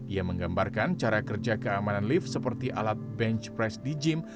ia menggambarkan cara kerja keamanan lift seperti alat bench press di gym